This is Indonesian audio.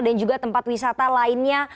dan juga tempat wisata lainnya